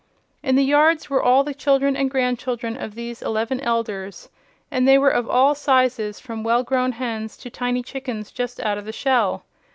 In the yards were all the children and grandchildren of these eleven elders and they were of all sizes, from well grown hens to tiny chickens just out of the shell.